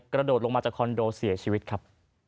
กระโดดลงมาจากคอนโดเสียชีวิตครับ